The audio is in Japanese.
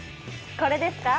これですか？